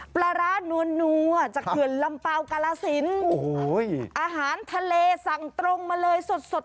ปลาร้านัวจากเขื่อนลำเปล่ากาลสินโอ้โหอาหารทะเลสั่งตรงมาเลยสดสด